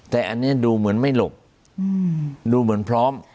แต่อันนี้ดูเหมือนไม่หลบดูเหมือนพร้อม